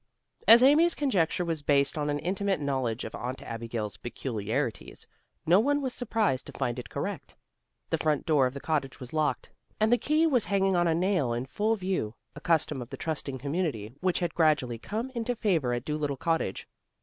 As Amy's conjecture was based on an intimate knowledge of Aunt Abigail's peculiarities, no one was surprised to find it correct. The front door of the cottage was locked, and the key was hanging on a nail in full view, a custom of the trusting community which had gradually come into favor at Dolittle Cottage.